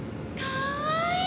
かわいい！